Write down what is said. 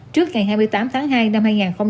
trước ngày hai mươi tám tháng hai năm hai nghìn hai mươi